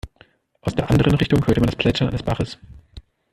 Aus der anderen Richtung hörte man das Plätschern eines Baches.